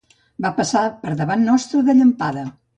Va passar per davant nostre de llampada.